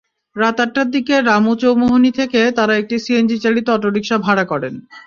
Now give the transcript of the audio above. রাত আটটার দিকে রামু চৌমুহনী থেকে তাঁরা একটি সিএনজিচালিত অটোরিকশা ভাড়া করেন।